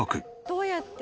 どうやって？